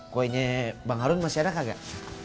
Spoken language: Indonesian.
kuenya bang harun masih enak kagak